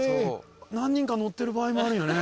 何人か乗ってる場合もあるよね。